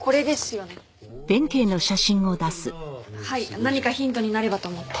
はい何かヒントになればと思って。